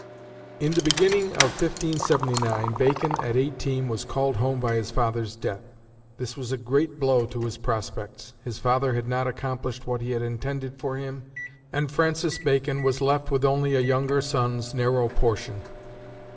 In the beginning of 1579 Bacon, at eighteen, was called home by his father's death. This was a great blow to his prospects. His father had not accomplished what he had intended for him, and Francis Bacon was left with only a younger son's "narrow portion."